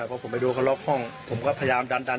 คือถามว่าในห้องผมไม่เจน